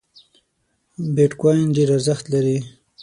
بیټ کواین ډېر ارزښت لري